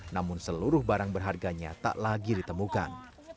namun seluruh barang berharganya tak lagi ditemukan